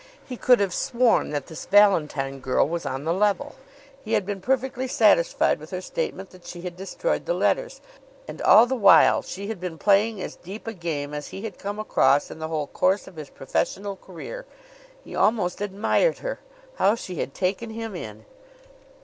He could have sworn that this Valentine girl was on the level. He had been perfectly satisfied with her statement that she had destroyed the letters. And all the while she had been playing as deep a game as he had come across in the whole course of his professional career! He almost admired her. How she had taken him in!